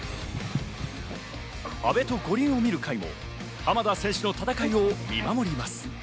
「阿部と五輪を見る会」も浜田選手の戦いを見守ります。